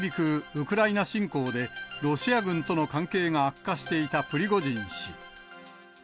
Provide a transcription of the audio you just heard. ウクライナ侵攻でロシア軍との関係が悪化していたプリゴジン氏。